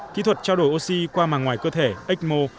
kỹ thuật trao đổi oxy qua màng ngoài cơ thể ecmo